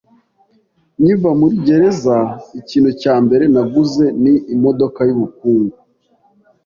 Nkiva muri gereza, ikintu cya mbere naguze ni imodoka yubukungu.